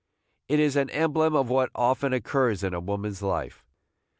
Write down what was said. It is an emblem of what often occurs in woman's life.